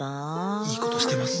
いいことしてます。